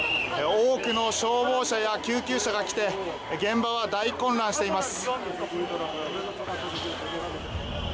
多くの消防車や救急車が来て現場は大混乱しています。